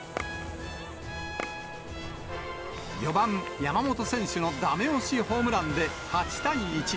４番山本選手のだめ押しホームランで８対１。